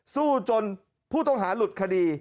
สู้จนผู้ต้องหาหลุดคดี